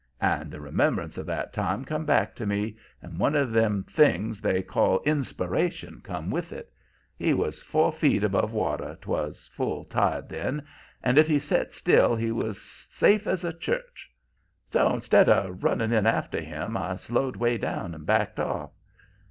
And the remembrance of that time come back to me, and one of them things they call inspiration come with it. He was four feet above water, 'twas full tide then, and if he set still he was safe as a church. "So instead of running in after him, I slowed 'way down and backed off.